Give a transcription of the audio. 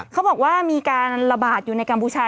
เขาบอกว่ามีการระบาดอยู่ในกัมพูชา